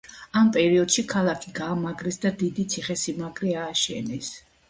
ამ პერიოდში ქალაქი გაამაგრეს და დიდი ციხესიმაგრე ააშენეს.